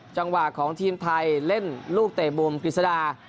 จังหวะของทีมไทยเล่นลูกเตะมุมกฤษดา